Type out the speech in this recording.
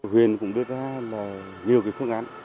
huyện cũng đưa ra nhiều phương án